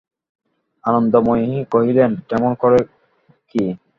আনন্দময়ী কহিলেন, কেমন করে কী!